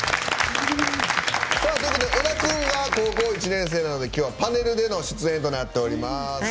小田君が高校１年生なので今日はパネルでの出演となっております。